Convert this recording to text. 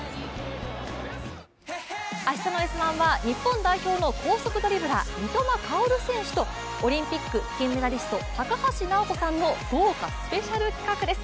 明日の「Ｓ☆１」は日本代表の高速ドリブラー・三笘薫選手とオリンピック金メダリスト高橋尚子さんの豪華スペシャル企画です。